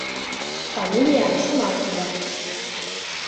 —Фамилияң шунан килә